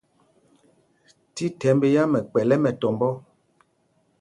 Thíthɛmb yǎm ɛ kpɛ̌l ɛ mɛtɔnɔ.